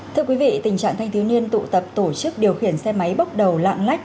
thưa quý vị tình trạng thanh thiếu niên tụ tập tổ chức điều khiển xe máy bốc đầu lạng lách